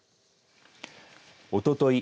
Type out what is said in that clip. おととい